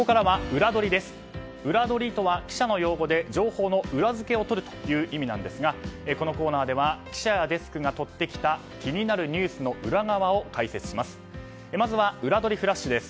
裏取りとは、記者の用語で情報の裏付けをとるという意味なんですがこのコーナーでは記者やデスクがとってきた気になるニュースの裏側を解説します。